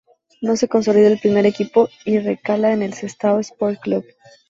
No se consolida en el primer equipo y recala en el Sestao Sport Club.